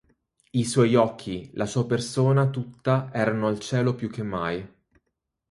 I suoi occhi, la sua persona tutta erano al cielo più che mai.